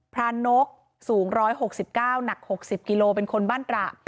พระนกสูง๑๖๙หนัก๖๐กิโลเป็นคนบ้านตระ